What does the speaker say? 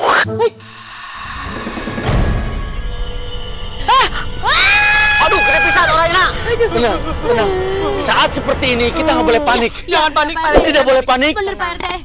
aku akan menganggap